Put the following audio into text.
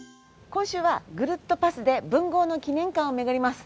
今週はぐるっとパスで文豪の記念館を巡ります。